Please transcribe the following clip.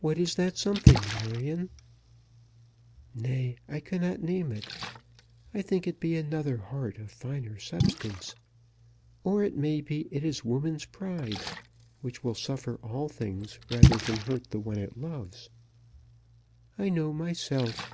"What is that something, Marion?" "Nay, I cannot name it. I think it be another heart, of finer substance, or it may be it is woman's pride, which will suffer all things rather than hurt the one it loves. I know myself.